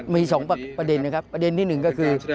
มี๒ประเด็นประเด็นที่๑ก็คือ